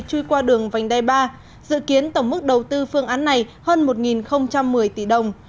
truy qua đường vành đai ba dự kiến tổng mức đầu tư phương án này hơn một một mươi tỷ đồng